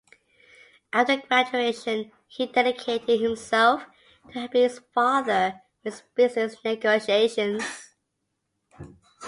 After graduation he dedicated himself to helping his father with his business negotiations.